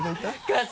春日。